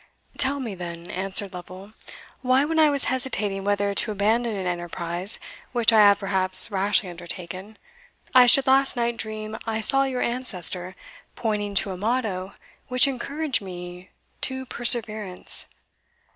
"Tell me, then," answered Lovel, "why when I was hesitating whether to abandon an enterprise, which I have perhaps rashly undertaken, I should last night dream I saw your ancestor pointing to a motto which encouraged me to perseverance?